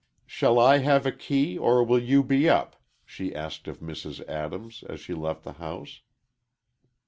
"Shall I have a key, or will you be up?" she asked of Mrs. Adams, as she left the house.